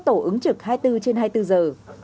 tổ ứng trực hai mươi bốn trên hai mươi bốn giờ